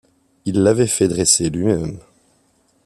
Il l’avait fait dresser lui-même.